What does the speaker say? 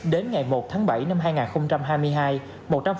đến ngày một tháng bảy năm hai nghìn hai mươi hai